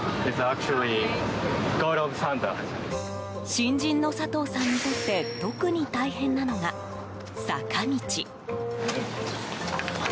新人の佐藤さんにとって特に大変なのが、坂道。